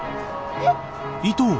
えっ。